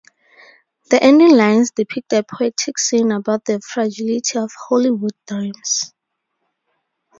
The ending lines depict a poetic scene about the fragility of Holy Wood dreams.